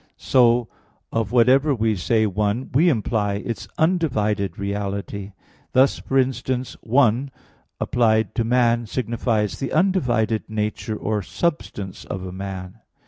So, of whatever we say "one," we imply its undivided reality: thus, for instance, "one" applied to man signifies the undivided nature or substance of a man.